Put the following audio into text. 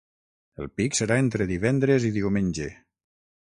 El pic serà entre divendres i diumenge.